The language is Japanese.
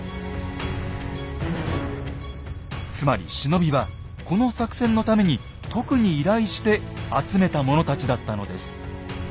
つまり忍びはこの作戦のために特に依頼して集めた者たちだったのです。